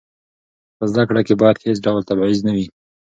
په زده کړه کې باید هېڅ ډول تبعیض نه وي.